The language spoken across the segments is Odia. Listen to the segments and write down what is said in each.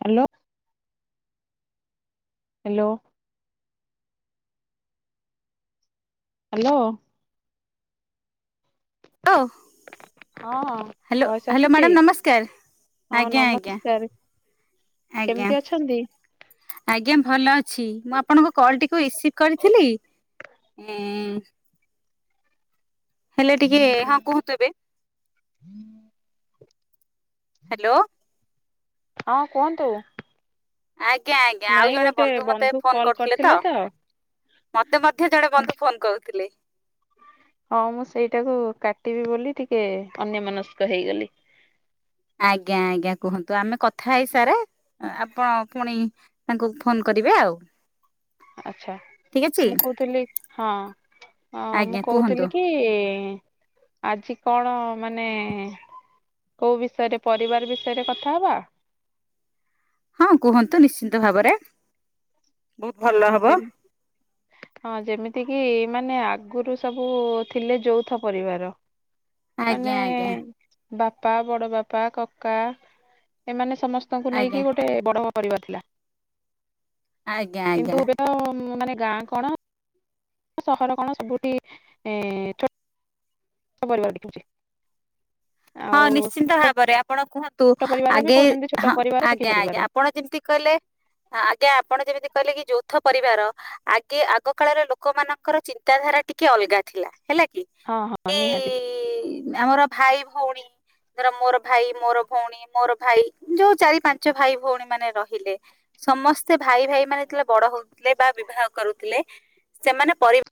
ହ୍ୟାଲୋ, ହ୍ୟାଲୋ ହ୍ୟାଲୋ ହ୍ୟାଲୋ, ହଁ। ହଲୋ, ଭଏସ ହ୍ୟାଲୋ ଆସୁଛି ମ୍ୟାଡ଼ାାମ ହଁ ନମସ୍କାର ଆଜ୍ଞା, ଆଜ୍ଞା, ନମସ୍କାର ଆଜ୍ଞା କେମିତି ଅଛନ୍ତି? ଆଜ୍ଞା ଭଲ ଅଛି ମୁଁ ଆପଣଙ୍କ କଲଟିକୁ ରିସିଭ୍ କରିଥିଲି ଉମଂ ହେଲେ ଟିକେ ହଁ କୁହନ୍ତୁ ଏବେ [inaudible] ହାଲୋ ହଁ କୁହନ୍ତୁ ଆଜ୍ଞା, ଆଜ୍ଞା ଆଉ ନାଇଁ ଜଣେ ଗୋଟେ ବନ୍ଧୁ ମତେ ଫୋନ କଲ୍ କରୁଥିଲେ ତ। କରିଥିଲେ ମତେ ମଧ୍ୟ ଜଣେ ବନ୍ଧୁ ଫୋନ କରୁଥିଲେ। ହଁ ମୁଁ ସେଇଟାକୁ କାଟିବି ବୋଲି ଟିକେ ଅନ୍ୟମନସ୍କ ହେଇଗଲି। ଆଜ୍ଞା, ଆଜ୍ଞା କୁହନ୍ତୁ ଆମେ କଥା ହେଇସାରେ ଆପଣ ପୁଣି ତାଙ୍କୁ ଫୋନ କରିବେ ଆଉ ଆଛା ଠିକ ଅଛି ମୁଁ କହୁଥିଲି ହଁ ହଁ ମୁଁ ଆଜ୍ଞା କୁହନ୍ତୁ କହୁଥିଲି କି ଆଜି କଣ ମାନେ କୋଉ ବିଷୟରେ ପରିବାର ବିଷୟରେ କଥା ହବା? ହଁ କୁହନ୍ତୁ ନିଶ୍ଚିନ୍ତ ଭାବରେ ବହୁତ ଭଲ ହଁ ହବ ଯେ ହଁ ଯେମିତି କିି ମାନେ ଆଗୁରୁ ସବୁ ଥିଲେ ଯୌଥ ପରିବାର ମାନେ ଆଜ୍ଞା ଆଜ୍ଞା ବାପା ବଡ଼ବାପା କକା ଏମାନେ ସମସ୍ତଙ୍କୁ ଆଜ୍ଞା ନେଇକି ଗୋଟେ ବଡ ପରିବାର ଥିଲା। ଆଜ୍ଞା ଆଜ୍ଞା କିନ୍ତୁ ଏବେ ତ ଉମଂ ମାନେ ଗାଁ କଣ ସହର କଣ ସବୁଠି ଏଁ ଛୋ [unintelligible] ହଁ ଆଉ ନିଶ୍ଚିନ୍ତ ଛୋଟ ଭାବରେ ଆପଣ କୁହନ୍ତୁ ନ୍ତୁ ପରିବାର ବି ଆଗେ କହୁଛନ୍ତି ଛୋଟ ହଁ ପରିବାର ସୁଖୀ ଆଜ୍ଞା, ଆଜ୍ଞା ପରିବାର ଆପଣ ଯେମିତି କହିଲେ ଆଜ୍ଞା ଆପଣ ଯେମିତି କହିଲେ କି ଯୌଥ ପ ବିବାର ଆଗ ଆଗ କାଳରେ ଲୋକମାନଙ୍କର ଚିନ୍ତାଧାରା ଟିକେ ଅଲଗା ଥିଲା ହେଲା କି ହଁ ହଁ କି ନିହାତି ଆମର ଭାଇ ଭଉଣୀ ଧର ମୋର ଭାଇ ମୋର ଭଉଣୀ ମୋର ଭାଇ ଯୋଉ ଚାରି ପାଞ୍ଚ ଭାଇ ଭଉଣୀ ମାନେ ରହିଲେ ସମସ୍ତେ ଭାଇ, ଭାଇ ମାନେ ଯେତେବେଳେ ବଡ ହଉଥିଲେ ବା ବିବାହ କରୁଥିଲେ। ସେମାନେ ପରିବ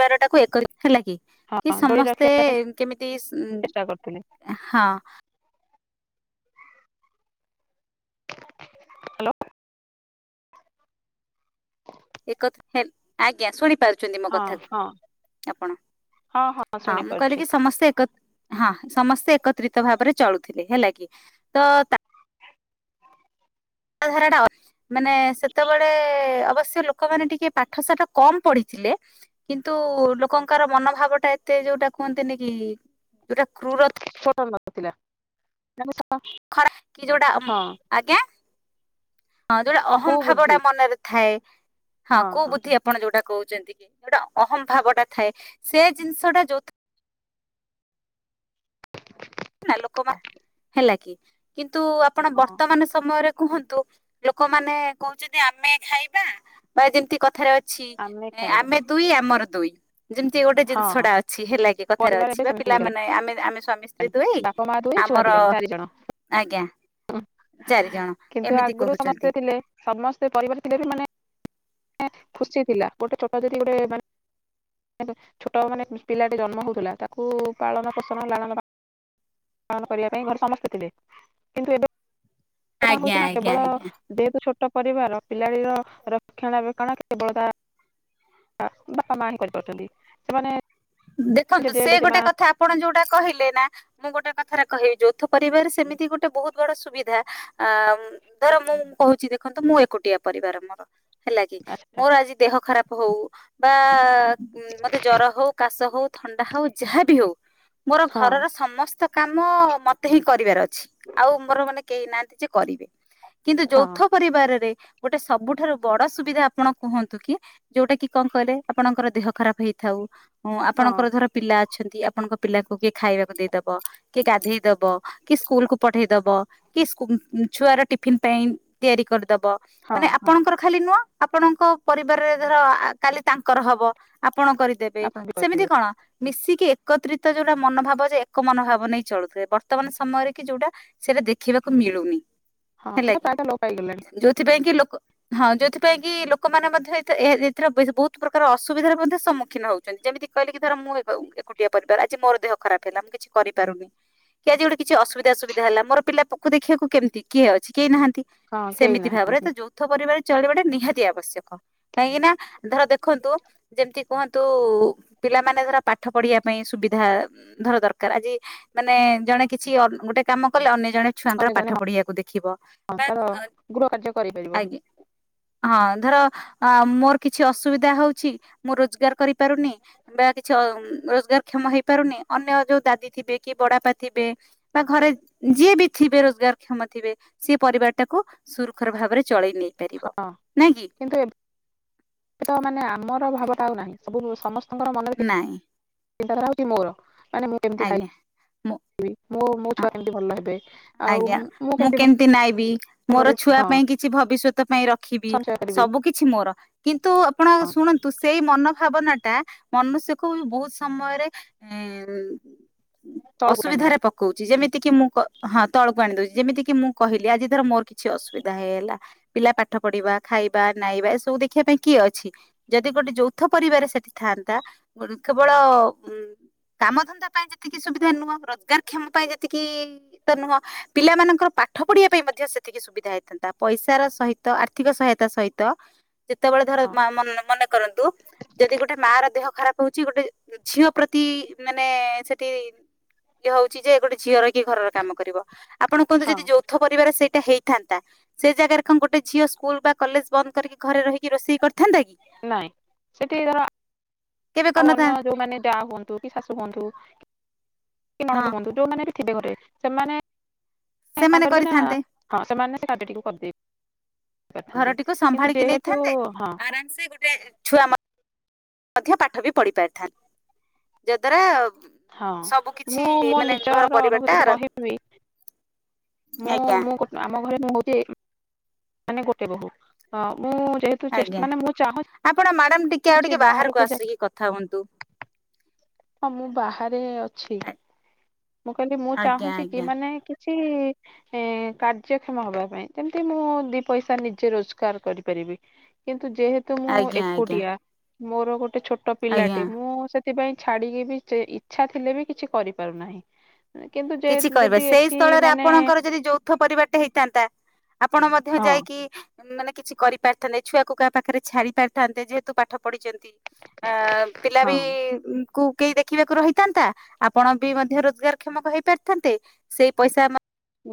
ବାରଟାକୁ ଏକରେ ହେଲା କି କି ହଁ ଦୋଳି ସମସ୍ତେ ରଖିବା କେମିତି ଚେଷ୍ଟା କରୁଥିଲି ହଁ ହ୍ୟାଲୋ ଏକ ଆଜ୍ଞା ଶୁଣିପାରୁ ମୋ ହଁ ହଁ କଥାକୁ ଆପଣ ହଁ ହଁ ମୁଁ ଶୁଣିପାରୁଛି କହିଲିକି ସମସ୍ତେ ଏକ ହଁ ସମସ୍ତେ ଏକତ୍ରିତ ଭାବରେ ଚଳୁଥିଲେ ହେଲା କି ତ ଧାରା ଟା ମାନେ ସେତେବେଳେ ଅବଶ୍ୟ ଲୋକମାନେ ଟିକେ ପାଠ ସାଠ କମ ପଢିଥିଲେ କିନ୍ତୁ ଲୋକଙ୍କର ମନୋଭାବ ଟା ଏତେ ଯୋଉଟା କୁହନ୍ତିନ କି ଯୋଉଟା କ୍ରୁର ସମାନତା ନଥିଲା ମ [inaudible] ଖରା କି ଯୋଉଟା ଆଜ୍ଞା ହଁ ଯୋଉଟା ଅହମ୍ଭାବ ଟା କୁବୁଦ୍ଧି ମନରେ ଥାଏ ହ [inaudible] ହଁ କୋଉ ବୁଦ୍ଧି ଆପଣ ଯୋଉଟା କହୁ କୋଉଟା ଅହମ୍ମ [inaudible] ଭାବ ଟା ଥାଏ ସେ ଜିନିଷ ଟା ଯୋଉ ଲୋକମାନେ ହେଲା କି କିନ୍ତୁ କିନ୍ତୁ ଆପଣ ହଁ ବର୍ତ୍ତମାନ ସମୟରେ କୁହନ୍ତୁ ଲୋକମାନେ କହୁଛନ୍ତି ଆମେ ଖାଇବା ବା ଯେମିତି କଥାରେ ଅଛି ଆମେ ଅଛି ଖାଇବା ଆମେ ଦୁଇ ଆମର ଦୁଇ ଯେମିତି ଗୋଟେ ହଁ ଜିନିଷ ହଁ ଟା ଅଛି ହେଲା କି କଥାରେ ଅଛି ବା ପିଲମାନେେ ଆମେ ଆମେ ସ୍ବାମୀ ସ୍ତ୍ରୀ ଦୁଇ ବାପ ମା ଦୁଇ ଛୁଆ ଆମର ଦି ଜଣ ଚାରି ଜଣ ଆଜ୍ଞା ଚାରି ଜଣ କିନ୍ତୁ ଏମିତି ଆଗରୁ କହୁଛନ୍ତି ସମସ୍ତେ ଥିଲେ ସମସ୍ତେ ପରିବାର ଖୁସି ଥିଲା ଗୋଟେ ଛୋଟ ଧରି ଗୋଟେ ଛୋଟ ମାନେ ପିଲାଟେ ଜନ୍ମ ହଉଥିଲା ତାକୁ ପାଳନ ପୋଷଣ ଲାଳନ ପାଳନ କରିବା ପାଇଁ ଘରେ ସମସ୍ତେ ଥିଲେ କିନ୍ତୁ ଏବେ କଣ ଆଜ୍ଞା ହଉଛି ନା ଆଜ୍ଞା କେବଳ ଆଜ୍ଞା ଦେହକୁ ଛୋଟ ପରିବାର ପିଲାଟିର ରକ୍ଷଣାବେକ୍ଷଣ କେବଳ ତା ବାପା ମା ହିଁ କରିପାରୁଛନ୍ତି ସେମାନେ ଦେଖନ୍ତୁ ଜେଜେ ସେ ଜେଜେମା ଗୋଟେ କଥା ଆପଣ ଯୋଉଟା କହିଲେ ନା ମୁଁ ଗୋଟେ କଥା କଥାରେ କହିବି ଯୌଥ ପରିବାର ସେମିତି ଗୋଟେ ବହୁତ ବଡ ସୁବିଧା ଅ ଧର ମୁଁ କହୁଛି ଦେଖନ୍ତୁ ମୁଁ ଏକୁଟିଆ ପରିବାର ମୋର ହେଲା କି ଆଚ୍ଛା ମୋର ଆଜି ଦେହ ଖରାପ ହଉ ବା ଉଁ ମତେ ଜର ହଉ କାସ ହଉ ଥଣ୍ଡା ହଉ ଯାହାବି ହଉ ମୋର ହଁ ଘରର ସମସ୍ତ କାମ ମତେ ହିଁ କରିବାର ଅଛି ଆଉ ମୋର ମାନେ କେହି ନାହାନ୍ତି ଯେ କରିବେ କିନ୍ତୁ ହଁ ଯୌଥ ପରିବାରରେ ଗୋଟେ ସବୁଠାରୁ ବଡ ସୁବିଧା ଆପଣ କୁହନ୍ତୁ କି ଯୋଉଟା କି କଣ କହିଲେ ଆପଣଙ୍କର ଦେହ ଖରାପ ହେଇଥାଉ। ହଁ ଆପଣଙ୍କର ଧର ପିଲା ଅଛନ୍ତି। ଆପଣଙ୍କ ପିଲାକୁ କିଏ ଖାଇବାକୁ ଦେଇଦବ କିଏ ଗାଧେଇ ଦବ କି ସ୍କୁଲକୁୁ ପଠେଇ ଦବ କି ସ୍କୁ ଛୁଆର ଟିଫନ୍ ପାଇଁ ତିଆରି କରି ଦବ ହଁ ମାନେ ହଁ ଆପଣଙ୍କର ଖାଲି ନୁଅଁ ଆପଣଙ୍କ ପରିବାରରେ ଧର କାଲି ତାଙ୍କର ହବ ଆ ଆପଣ କରିଦେବେ। ଆପଣ ବି ସେମିତି କରିପାରିବେ କଣ? ମିଶିକି ଏକତ୍ରିତ ଯୋଉଟା ମନୋଭାବ ଯେ ଏକ ମନୋଭାବ ନେଇ ଚଳୁଥିବେ ବର୍ତ୍ତମାନ ସମୟରେ କି ଯୋଉଟା ସେଇଟା ଦେଖିବାକୁ ମିଳୁନି। ହଁ ହେଲା ସେଟା କି ପ୍ରାୟତଃ ଲୋପ ପାଇଗଲାଣି ଯୋଉଥିପାଇଁ କି ଲୋ କ ହଁ ଯୋଉଥିପାଇଁ କି ଲୋକମାନେ ମଧ୍ୟ ଏଥି-ଏ-ଏ-ଏଥିରେ-ଏରେ-ବେଶ ବହୁତ ପ୍ରକାର ଅସୁବିଧାର ମଧ୍ୟ ସମ୍ମୁଖୀନ ହଉଚନ୍ତି ଯେମିତି କ କଇଲି କି ଧର ମୁଁ ଏବ ଏକୁଟିଆ ପରିବାର ଆଜି ମୋର ଦେହ ଖରାପ ହେଲା ମୁଁ କିଛି କରିପାରୁନି କି ଆଜି ଗୋଟେ କିଛି ଅସବିଧା ସୁବିଧା ହେଲା ମୋର ପିଲା ପୋକୁ ଦେଖିବାକୁ କେମିତି କିଏ ଅଛି କେହି ନାହା ନ୍ତି ହଁ କେହି ସେମିତି ଭାବରେ ଏ ନାହାନ୍ତି ତ ଯୌଥ ପରିବାରରେ ଚଳିବା ଟା ନିହାତି ଆବଶ୍ୟକ କାହିଁକି ନା ଧର ଦେଖନ୍ତୁ ଯେମିତି କୁହନ୍ତୁ। ପିଲାମାନେ ଧର ପାଠ ପଢିବା ପାଇଁ ସୁବିଧା ଧର ଦରକାର ଆଜି ମାନେ ଜଣେ କିଛି ଅ ଗୋଟେ କାମ କଲେ ଅନ୍ୟ ଜଣେ ଛୁଆଙ୍କର ଅନ୍ୟ ପାଠ ଜଣେ ପଢିବାକୁ ଦେଖିବ ହଁ ବା ତାର ଗୃହ କାର୍ଯ୍ୟ କରିପାରିବ ଆଜ୍ଞା ହଁ। ଧର ମୋର କିଛି ଅସୁବିଧା ହଉଚି ମୁଁ ରୋଜଗାର କରିପାରୁନି। ବା କିଛି ଅ ରୋଜଗାର କ୍ଷମ ହେଇପାରୁନି ଅନ୍ୟ ଯୋଉ ଦାଦି ଥିବେ କି ବଡଆପା ଥିବେ ବା ଘରେ ଯିଏ ବି ଥିବେ ରୋଜଗାର କ୍ଷମ ଥିବେ ସିଏ ପରିବାର ଟାକୁ ସୁରୁଖର ଭାବରେ ଚଳେଇ ନେଇ ପାରିବ ହଁ ନାଇଁ କି। କିନ୍ତୁ ଏବେ ତ ମାନେ ଆ ଆମର ଭାବଟା ଆଉ ନାହିଁ ସବୁ ସମସ୍ତଙ୍କର ମନରେ ନାଇଁ। ଚିନ୍ତାଧାରା ହଉଚି ମୋର। ମାନେ ମୁଁ କେମିତି ଖାଇି ଆଜ୍ଞା ମୁଁ ବି ମୋ ମୋ ହଁ। ଛୁଆ କେମତି ଭଲ ହେବେ। ଆଜ୍ଞା ମୁଁ କେମିତି ନାଇ ବି। ମୋର ଭଲରେ ଛୁଆ ହଁ ପାଇଁ କିଛି ଭବିଷ୍ୟତ ପାଇଁ ରଖିବି ସଞ୍ଚୟ କରିବି ସବୁ କିଛି ମୋର କିନ୍ତୁ ଆପଣ ହଁ ଶୁଣନ୍ତୁ ସେଇ ମନ ଭାବନା ଟା ମନୁଷ୍ୟକୁ ବି ବହୁତ ସମୟରେ ଏ ତଳକୁ ଟାଣି ଅସୁବିଧାରେ ଆଣୁଛି ପକଉଚି ଯେମି ତିକି ମୁଁ କ ହଁ ତଳକୁ ଆଣି ଦଉଚି ଯେମିତି କିି ମୁଁ କହିଲି ଆଜି ଧର ମୋର କିଛି ଅସୁବିଧା ହେଇଗଲା ପିଲା ପାଠ ପଢିବା, ଖାଇବା, ନାଇବା ଏସବୁ ଦେଖିବା ପାଇଁ କିଏ ଅଛି ଯଦି ଗୋଟେ ଯୌଥ ପରିବାର ସେଠି ଥାଆନ୍ତା କେବଳ ଉ କାମ ଧନ୍ଦା ପାଇଁ ଯେତିକି ସୁବିଧା ନୁହଁ ରୋଜଗାର କ୍ଷମ ପାଇଁ ଯେତିକି ତ ନୁହଁ ପିଲାମାନାନଙ୍କର ପାଠ ପଢିବା ପାଇଁ ମଧ୍ୟ ସେତିକି ସୁବିଧା ହେଇଥାନ୍ତା ପଇସାର ସହିତ ଆର୍ଥିକ ସହାୟତା ସହିତ ଯେତେବେଳେ ଧର ହଁ ମା ମନ ମନେ କରନ୍ତୁ ଯଦି ଗୋଟେ ମା ର ଦେହ ଖରାପ ହଉଛି ଗୋଟେ ଝିଅ ପ୍ରତି ମାନେ ସେଠି ଇଏ ହଉଚି ଯେ ଗୋଟେ ଝିଅ ରହିକି ଘରର କାମ କରିବ। ଆପଣ କୁହନ୍ତୁ ହଁ ଯଦି ଯୌଥ ପରିବାର ସେଇ ହେଇଥାନ୍ତା ସେ ଜାଗାରେ କଣ ଗୋଟେ ଝିଅ ସ୍କୁଲ ବା କଲେଜ ବନ୍ଦ କରିକି ଘରେ ରହିକି ରୋଷେଇ କରିଥା ନାଇଁ ସେଠି କେବେ ଆଉ କରିନଥା ଅନ୍ୟ ଯୋଉମାନେ ଯା ହୁଅନ୍ତୁ କି ଶାଶୁ ହୁଅନ୍ତୁ ହଁ କିନଣନ୍ଦ ହୁଅନ୍ତୁ ଯଉ ମାନେ ଥିବେ ଘରେ ସେମାନେ କଣ ସେମାନେ କରିବେ ନା କରିଥାନ୍ତେ ହଁ ସେମାନେ ସେ କାଯ୍ୟଟିକୁ କରଦେ ଘରଟିକୁ ସମ୍ଭାଳିକି ନେଇଥାନ୍ତେ ହଁ ଆରାମ ସେ ଗୋଟେ ଛୁଆ ମ ମଧ୍ୟ ପାଠ ବି ପଢି ପାରିଥାନ୍ତା ଯାଦ୍ଵାରା ହଁ ମୁଁ ମୋ ଘର ନିଜର ପରିବାର ଟା ଅନୁଭୂତିରେ ର କହିବି, ମୁଁ ଆଜ୍ଞା ମୁଁ ଆମ ଘରେ ମୁଁ ହଉଚି ମାନେ ଗୋଟେ ବୋହୂ ଅ ଆଜ୍ଞା ଆପଣ ମ୍ୟାଡାମ ଟିକେ ଆଉ କିଛି ଟିକେ ବାହାରକୁ ଯାଇ ଆସିକି କଥା ହୁଅନ୍ତୁ? ହଁ ମୁଁ ବାହାରେ ଅଛି ମୁଁ କହିଲି ମୁଁ ଆଜ୍ଞା ଚାହୁଁଛି କି ଆଜ୍ଞା ମାନେ ଚି କାର୍ଯ୍ୟକ୍ଷମ ହବା ପାଇଁ ଯେମିତି ମୁଁ ଦି ପଇସା ନିଜେ ରୋଜଗାର କରିପାରିବି କିନ୍ତ ଯେହେତୁ ମୁଁ ଆଜ୍ଞା ଆଜ୍ଞା ଏକୁଟିଆ ମୋର ଗୋଟେ ଗୋଟେ ଛୋଟ ଆଜ୍ଞା ପିଲାଟେ ମୁଁ ସେ ସେଥିପାଇଁ ଛାଡିକି ବି ଯେ ଇଚ୍ଛା ଥିଲେ ବି କିଛି କରିପାରୁନାହିଁ, କିନ୍ତୁ ଯେ କିଛି କିହିବ ଯଦି ସେଇ ଏଠି ସ୍ଥଳରେ ମାନେ ଆପଣଙ୍କର ଯଦି ଯୌଥ ପରିବାରଟେ ହେଇଥାନ୍ତା ଆପଣ ମଧ୍ୟ ହଁ ଯାଇକି ମାନେ କିଛି କରିପାରିଥାନ୍ତେ ଛୁଆ କାହା ପାଖରେ ଛାଡି ପାରିଥାନ୍ତେ ଯେହେତୁ ପାଠ ପଢିଛନ୍ତି, ଆ ପିଲା ବି ହଁ କୁ କେହି ଦେଖିବାକୁ ରହିଥାନ୍ତା ଆପଣ ବି ମଧ୍ୟ ରୋଜଗାରକ୍ଷମ ହେ ହେଇପାରିଥାନ୍ତେ ସେଇ ପଇସା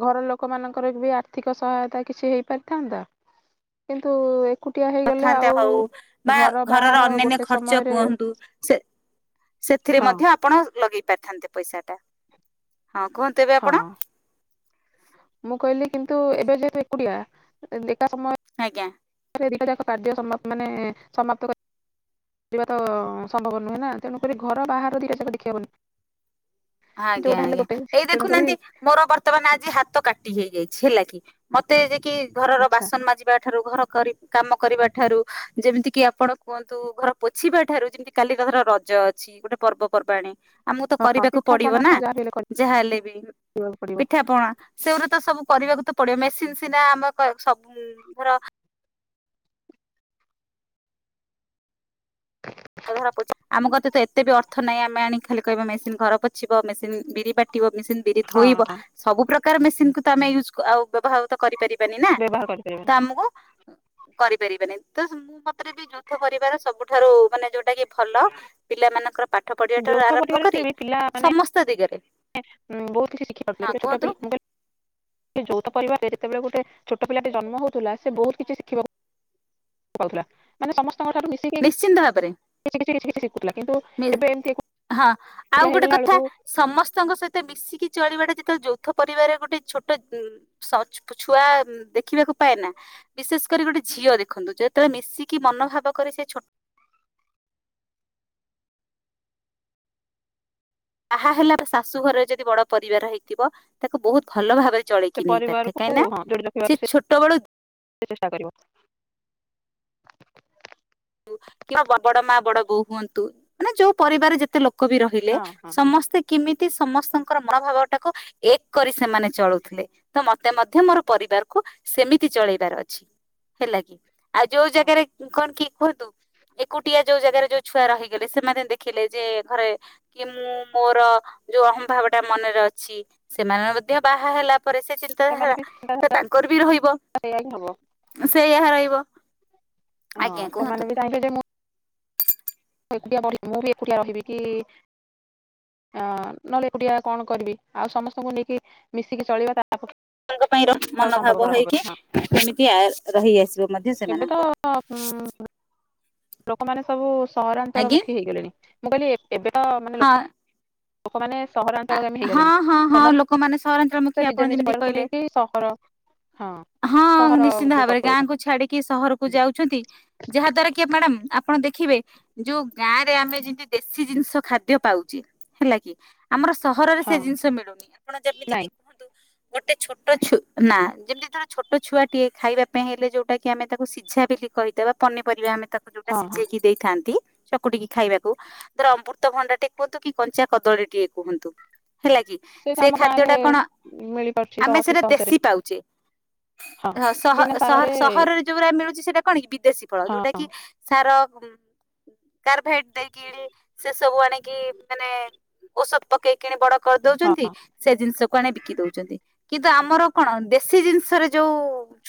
ଘର ଲୋକମାନାନଙ୍କର ବି ଆର୍ଥିକ ସହାୟତା କିଛି ହେଇପାରିଥାନ୍ତା କିନ୍ତୁ, ଏକୁଟିଆ ହେଇଗଲେ ଆଉ ଥାନ୍ତା ହଉ ବା ଘର ଘରର ବାହାର ଅନ୍ୟାନ୍ୟ ଗୋଟେ ଖର୍ଚ୍ଚ ସମୟରେ କୁହନ୍ତୁ ସେ ସେଥିରେ ହଁ ମଧ୍ୟ ଆପଣ ଲଗେଇ ପାରିଥାନ୍ତେ ପଇସାଟା, ହଁ କୁହନ୍ତୁ ଏବେ ହଁ ଆପଣ? ମୁଁ କହିଲି କିନ୍ତୁ ଏବେ ଏକୁଟିଆ ଏକା ସମୟ ଆଜ୍ଞା, ଦିଟା ଯାକ କାର୍ଯ୍ୟ ସମାପ୍ତ ମାନେ ସମାପ୍ତ କରିବା ତ ସମ୍ଭବ ନୁହେଁ ନା। ତେଣୁକରି ଘର ବାହାରୁ ଦି ଟା ଯାକ ଦେଖିହବନି। ଆଜ୍ଞା ଆଜ୍ଞା ଏଇ ତେଣୁକରି ଦେଖୁନାହାନ୍ତି ମୋର ବର୍ତ୍ତମାନ ଆଜି ହାତ କାଟ ହେଇଯାଇଛି ହେଲା କି ମ ତେ ଯେ କିି ଘରର ଆଚ୍ଛା ବାସନ ମାଜିବା ଠାରୁ ଘର କରି କାମ କରିବା ଠାରୁ ଯେମିତି କିି ଆପଣ କୁହନ୍ତୁ ଘର ପୋଛିବା ଠାରୁ ଯେମତି କାଲି ର ରଜ ଅଛି। ଗୋଟେ ପର୍ବପର୍ବାଣିୀ ଆମକୁ ତ ହଁ କରିବାକୁ ପିଠା ପଡିବ ପଣା ନା ଯାହା ବି ହେଲେ ଯାହା ହେଲେ ବି କରିବାକୁ ପଡିବ ପିଠା ପଣା ସେଗୁରା ତ ସବୁ କରିବାକୁ ତ ପଡିବ ମେସିନ ସିନା ଆମ ସବୁ ଧର କେତେ ବି ଅର୍ଥ ନାହିଁ ଆମେ ଆଣି ଖାଲି କହିବା ମେସିନ ଘର ପଛିବ, ମେସିନ ବିରି ବାଟିବ ମେସିନ ବିରି ହଁ ଧୋଇବ ହଁ ସବୁ ପ୍ରକା କାର ମେସିନକୁ ତ ଆମେ ୟୁଜ ଆଉ ବ୍ୟବ ହାଉ ତ କରିପାରିବନି ନା ବ୍ୟବହାର ତ କରିପାରିବନି ଆମକୁ କରିପାରିବେନି ତ ମତେରେ ବି ଯୁଦ୍ଧ କରିବାର ସବୁଠାରୁ ମାନେ ଯୋଉଟା କି ଭଲ ପିଲାମାନଙ୍କର ପା ଯୌଥ ପରିବାରରେ ବି ପିଲା ମାନେ ସମସ୍ତ ଦିଗରେ ବହୁତ କିଛି ଶିଖି ପାରୁଥିଲେ ହଁ ଗୋଟେ ଛୋଟ କୁହନ୍ତୁ ପିଲା ଯୌଥ ପରିବାରରେ ସେତେବେଳେ ଗୋଟେ ଛୋଟ ପିଲାଟେ ଜନ୍ମ ହଉଥିଲା ସେ ବହୁତ କିଛି ଶିଖିବାକୁ ପାଉଥିଲା। ମାନେ ସମସ୍ତେ ମିଶିକି ନିଶ୍ଚିନ୍ତ ଭାବରେ [unintelligible] କିଛି କିଛି କିଛି ଶିଖୁଥିଲା କିନ୍ତୁ ଏବେ ଏମିତି ଆଉ ଏକୁଟିଆ ଗୋଟେ ହେଇଗଲା କଥା ବେଳକୁ ସମସ୍ତଙ୍କ ସହିତ ମିଶି କି ଚଳିବାଟା ଯେତେବେଳେ ଯୌଥ ପରିବାରରେ ଗୋଟେ ଛୋଟ ସ କୁଛ ଛୁଆ ଦେଖିବାକୁ ପାଏ ନା। ବିଶେଷ କରି ଗୋଟେ ଝିଅ ଦେଖନ୍ତୁ ଯେତେବେଳେ ମିଶିକି ମନୋଭାବ କରେ ସେ ଛୋ ତାହା ହେଲା ଶାଶୁ ଘରରେ ଯଦି ବଡ ପରିବାର ହେଇଥିବ ତାକୁ ବହୁତ ଭଲ ଭାବରେ ସେ ଚଳେଇକି ନେଇ ପାରିଥେ ପରିବାରକୁ କାହିଁ ନା ହଁ ଯୋଡି ସେ ରଖିବାକୁ ଛୋଟ ବେଳୁ ଚେଷ୍ଟା [unintelligible] ବଡ ମା ବଡ ବୋଉ ହୁଅନ୍ତୁ ମାନେ ଯୋଉ ପରିବାର ଯେତେ ଲୋକ ବି ରହିଲେ ହଁ ହଁ ସମସ୍ତେ କେମିତି ସମସ୍ତ ଙ୍କର ମନୋଭାବ ଟାକୁ ଏକ କରି ସେମାନେ ଚଳୁଥିଲେ। ତ ମତେ ମଧ୍ୟ ମୋର ପରିବାରକୁ ସେମିତି ଚଳେଇବାର ଅଛି। ହେଲା କି? ଆଉ ଯୋଉ ହଁ ଜାଗାରେ କଣ କି କୁହନ୍ତୁ ଏକୁଟିଆ ଯୋଉ ଜାଗାରେ ଯୋଉ ଛୁଆ ରହିଗଲେ ସେମାନେ ଦେଖିଲେ ଯେ ଘରେ କି ମୁଁ ମୋର ଯୋଉ ଅହଂଭାବ ଟା ମନରେ ଅଛି ସେମାନେ ମଧ୍ୟ ବାହା ହେଲା ପରେ ସେ ଚିନ୍ତାଧାରା ସେମାନେ ବି ସେ ତାଙ୍କର ବି ରହିବ। ସେଇଆ ହିଁ ହବ ସେଇୟ ରହିବ। ହଁ ଆଜ୍ଞା କୁହନ୍ତୁ ସେମାନେ ବି ଚାହିଁବେ ଯେ ମୁଁ ଏକୁଟିଆ ବଢିବି ମୁଁ ବି ଏକୁଟିଆ ରହିବି କି ଆଁ ନହେଲେ ଏକୁଟିଆ କଣ କରିବି ଆଉ ସମସ୍ତଙ୍କୁ ନେଇକି ମିଶିକି ଚଳିବା ଟା [unintelligible] ପାଇଁ ର ମନୋଭାବ ହେଇକି ହବନି ହଁ ଏମିତି ଆ ରହିଆସିବ ମଧ୍ୟ ଏବେ ତ ସେମାନଙ୍କର। ଉଁ ଲୋକମାନେ ସବୁ ସହରାଞ୍ଚଳ ଆଜ୍ଞା ମୁଖୀ ହେଇଗଲେଣି। ମୁଁ କାଲି ଏବେ ତ ମାନେ ଲୋକ ହଁ ଲୋକମାନେ ସହରାଞ୍ଚଳ ଆମେ ହଁ ହେଇଗଲେଣି ହଁ ହଁ ଲୋକମାନେ ସମସ୍ତେ ସହରାଞ୍ଚଳମୁଖୀ ଆପଣ ନିଜ ନିଜ ଯେମିତି ପରକୁ କହିଲେ ନେଇକି ସହର ହଁ ହଁ ନିଶ୍ଚିନ୍ତ ସହରକୁ ଭାବରେ ପଳଉଛନ୍ତି ଗାଁ କୁ ଛାଡିକି ସହରକୁ ଯାଉଛନ୍ତି ଯାହା ଦ୍ଵାରା କି ମ୍ୟାଡାାମ ଆପଣ ଦେଖିବେ ଯୋଉ ଗାଁ ରେ ଆମେ ଯେମିତି ଦେଶୀ ଜିନିଷ ଖାଦ୍ୟ ପାଉଛେ ହେଲା କି ଆମର ସହରରେ ହଁ ସେ ଜିନିଷ ମିଳୁନି ଆପଣ ଯେମିତିକି ନାଇଁ କୁହନ୍ତୁ। ଗୋଟେ ଛୋଟ ଛୁ ନା ଯେମିତିର ଛୋଟ ଛୁଆଟିଏ ଖାଇବା ପାଇଁ ହେଲେ ଯୋଉଟା କି ଆମେ ତାକୁ ସିଝା ବୋଲି କହିଥାବା ପନିପରିବା ଆମେ ତାକୁ ଯୋଉଟା ହଁ ହଁ ସିଝେଇକି ଦେଇଥାନ୍ତି। ଚକୁଟିକି ଖାଇବାକୁ ଧର ଅମୃତଭଣ୍ଡା ଟିକେ କୁହନ୍ତୁ କି କଞ୍ଚା କଦଳୀ ଟିକେ କୁହନ୍ତୁ। ହେଲା କି ସେ ଆମ ଖାଦ୍ୟ ଗାଁରେ ଟା କଣ ମିଳିପାରୁଛି ଆମେ ଅତି ସେଟା ସହଜରେ ଦେଶୀ ପାଉଛେ। ହଁ ସହ ବିନା ସହ ସାରରେ ସହରରେ ଯୋଉଡା ମିଳୁଛି ସେଟା କଣ କି ବିଦେଶୀ ଫଳ ହଁ ଯୋଉଟା କି ଟ ଦେଇକି ସେ ସବୁ ଆଣିକି ମାନେ ଔଷଧ ପକେଇକି ବଡ କରିଦଉଛନ୍ତି ହଁ ସେ ଜିନିଷକୁ ଆଣି ବିକି ଦଉଛନ୍ତି କିନ୍ତୁ ଆମର କଣ ଦେଶୀ ଜିନିଷ ରେ ଯୋଉ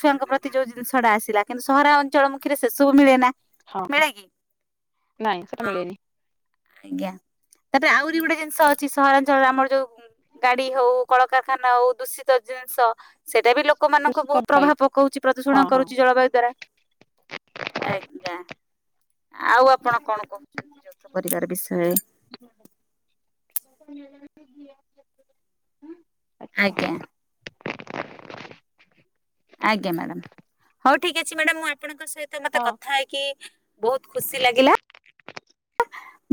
ଛୁଆଙ୍କ ପ୍ରତି ଯୋଉ ଜିନିଷ ଟା ଆସିଲା। କିନ୍ତୁ ସହରା ଅଞ୍ଚଳମୁଖୀରେ ସେ ସବୁ ମିଳେ ନା। ହଁ ମିଳେ କି? ନାଇଁ ସେ ମିଳେନି ଆଜ୍ଞା ତାପରେ ଆହୁରି ଗୋଟେ ଜିନିଷ ଅଛି ସହରାଞ୍ଚଳରେ ଆମର ଯୋଉ ଗାଡି ହଉ କଳକାରଖାନା ହଉ ଦୂଷିତ ଜିନିଷ ସେଇଟା ବି ଲୋକମାନାନଙ୍କୁ ଦୂଷିତ ବହୁତ ବାୟୁ ପ୍ରଭାବ ପକାଉଛି ହଁ ପ୍ରଦୂଷଣ ହଁ କରୁଛି ଜଳବାୟୁ ଦ୍ଵାରା ଆଜ୍ଞା। ଆଉ ଆପଣ କଣ କହୁଛନ୍ତି ଯ ପରିବାର ବିଷୟ ହୁଁ। ଆଜ୍ଞା। ଆଜ୍ଞା ମ୍ୟାଡ଼ାାମ ହଉ ଠିକ ଅଛି ମ୍ୟାଡ ମୁଁ ଆପଣଙ୍କ ସହିତ ମତେ ହଁ କଥା ହେଇକି ବହୁତ ଖୁସି ଲାଗିଲା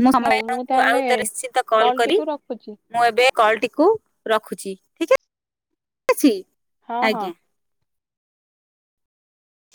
ମୁଁ ହଉ ମୁଁ ସମୟଙ୍କୁ ଆଉ ତାହେଲେ ନିଶ୍ଚିତ କଲ କଲ୍ କରି ଟିକୁ ରଖୁଛି ମୁଁ ଏବେ କଲ ଟିକୁ ରଖୁଛି ଠିକ୍ ଅ ଅଛି। ହଁ ହଁ। ଆଜ୍ଞା